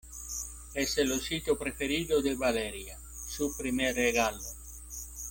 es el osito preferido de Valeria. su primer regalo .